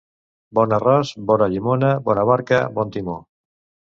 Bon arròs, bona llimona; bona barca, bon timó.